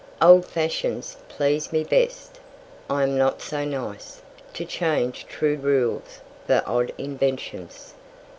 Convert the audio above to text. "Old fashions please me best; I am not so nice To change true rules for odd inventions."